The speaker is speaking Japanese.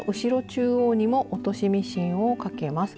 中央にも落としミシンをかけます。